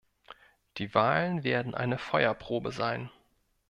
Die Wahlen werden eine Feuerprobe sein.